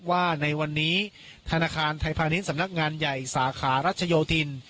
ว่าในวันนี้ธนาคารไทยพาณิชย์สำนักงานใหญ่สาขารัชโยธิน